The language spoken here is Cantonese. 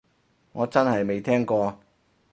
我真係未聽過